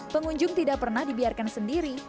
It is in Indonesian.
pengunjung tidak pernah dibiarkan sendiri